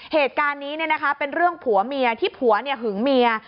เหตุการณ์นี้เป็นเรื่องผัวเมียที่ผัวหึงเมีย